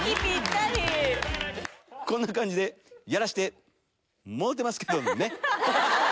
こんな感じでやらせてもろうてますけどね。